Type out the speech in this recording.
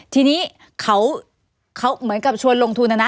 ทีนี้เขาเหมือนกับชวนลงทุนนะนะ